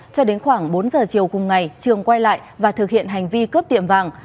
cho đến khoảng bốn giờ chiều cùng ngày trường quay lại và thực hiện hành vi cướp tiệm vàng